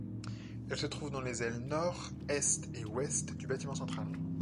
Elles se trouvent dans les ailes nord, est et ouest du bâtiment central.